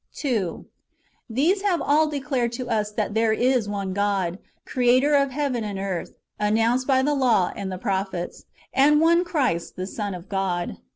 2. These have all declared to us that there is one God, Creator of heaven and earth, announced by the law and the prophets ; and one Christ, the Son of God.